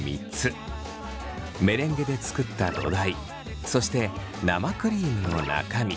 メレンゲで作った土台そして生クリームの中身